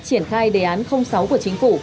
triển khai đề án sáu của chính phủ